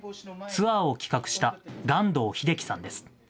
ツアーを企画した巖洞秀樹さんです。